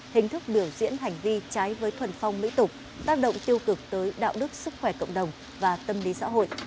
hình thức biểu diễn hành vi trái với thuần phong mỹ tục tác động tiêu cực tới đạo đức sức khỏe cộng đồng và tâm lý xã hội